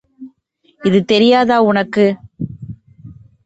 இது தெரியாதா உனக்கு.